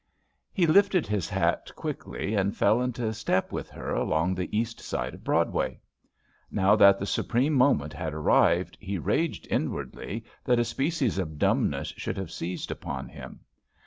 He lifted his hat quickly and fell into step with her along the east side of Broad way. Now that the supreme moment had ar rived, he raged inwardly that a species of dumbness should have seized upon him.